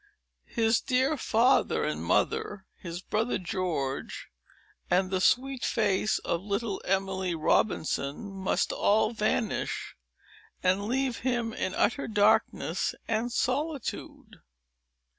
His dear father and mother, his brother George, and the sweet face of little Emily Robinson, must all vanish, and leave him in utter darkness and solitude.